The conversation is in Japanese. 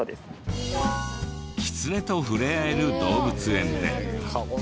キツネと触れ合える動物園で。